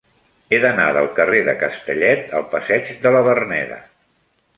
He d'anar del carrer de Castellet al passeig de la Verneda.